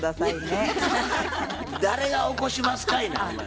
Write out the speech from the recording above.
誰が起こしますかいなほんまに。